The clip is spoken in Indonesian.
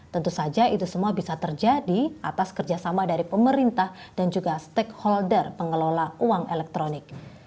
tentu saja itu semua bisa terjadi atas kerjasama dari pemerintah dan juga stakeholder pengelola uang elektronik